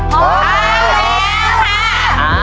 พร้อมแล้วค่ะ